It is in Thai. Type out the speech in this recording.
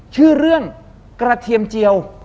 ชื่อเรื่องกระเทียมเจียว